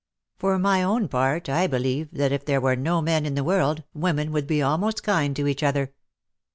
For my own part I believe tliat if there were no men in the world, women vould be almost kind to each other.